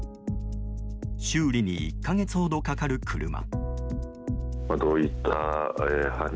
修理に１か月ほどかかる車。